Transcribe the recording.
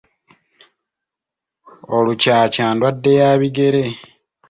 Olukyakya ndwadde ya bigere.